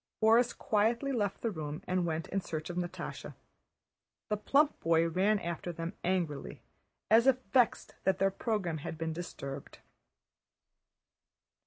Borís quietly left the room and went in search of Natásha. The plump boy ran after them angrily, as if vexed that their program had been disturbed.